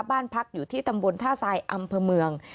บ้านพักอยู่ที่ตำบลท่าทรายอำเภอเมือง